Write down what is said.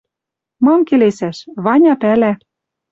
Мам келесӓш? Ваня пӓлӓ.